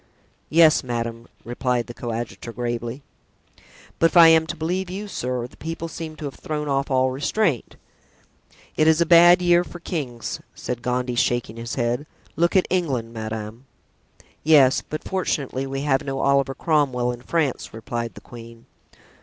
"Yes, madame," replied the coadjutor, gravely. "But if I am to believe you, sir, the people seem to have thrown off all restraint." "It is a bad year for kings," said Gondy, shaking his head; "look at England, madame." "Yes; but fortunately we have no Oliver Cromwell in France," replied the queen.